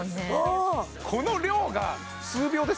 うんこの量が数秒ですよ